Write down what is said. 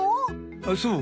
あっそう。